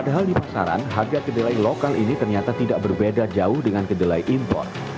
padahal di pasaran harga kedelai lokal ini ternyata tidak berbeda jauh dengan kedelai impor